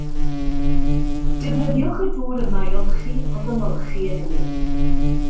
Defnyddiwch y dŵr yma i olchi ac ymolchi yn unig